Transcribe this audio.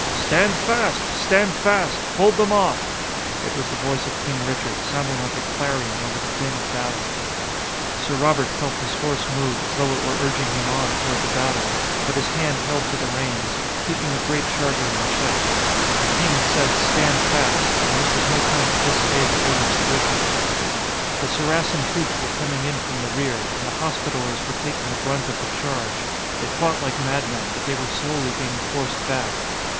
"Stand fast! Stand fast! Hold them off!" It was the voice of King Richard, sounding like a clarion over the din of battle. Sir Robert felt his horse move, as though it were urging him on toward the battle, but his hand held to the reins, keeping the great charger in check. The King had said "Stand fast!" and this was no time to disobey the orders of Richard. The Saracen troops were coming in from the rear, and the Hospitallers were taking the brunt of the charge. They fought like madmen, but they were slowly being forced back.